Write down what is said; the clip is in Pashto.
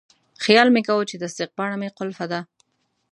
خیال مې کاوه چې تصدیق پاڼه مې کلپه ده.